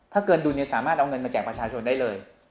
ถ้าเกินดุลสามารถเอาเงินมาแจกประชาชนได้เลย